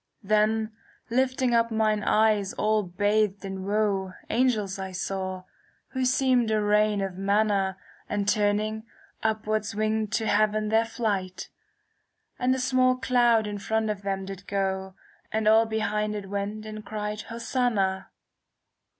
SI CANZONIERE " Then lifting up mine eyes all bathed in woe, Angels I saw, who seemed a rain of manna, And turning, upwards winged to Heaven their flight; And a small cloud in front of them did go; *" And all behind it went and cried 'Hosanna.'